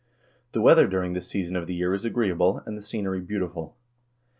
1 The weather during this season of the year is agreeable, and the scenery beautiful.